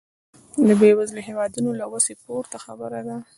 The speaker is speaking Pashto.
د بېوزلو هېوادونو له وسې پورته خبره ده.